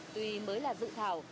tuy mới là dự thảo